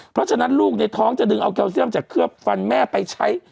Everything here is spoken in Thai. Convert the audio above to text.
เพราะฉะนั้นลูกในท้องจะดึงเอาแคลเซียมจากเคลือบฟันแม่ไปใช้